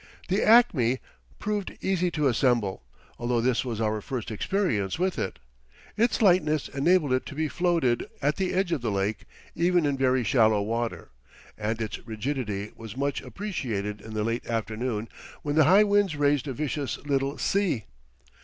The "Acme" proved easy to assemble, although this was our first experience with it. Its lightness enabled it to be floated at the edge of the lake even in very shallow water, and its rigidity was much appreciated in the late afternoon when the high winds raised a vicious little "sea."